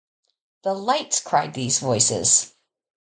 “The lights!” cried these voices.